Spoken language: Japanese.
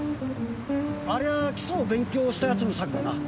ありゃあ基礎を勉強した奴の作だな。